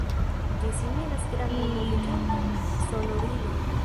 Ĝi similas grandan moviĝantan sonorilon.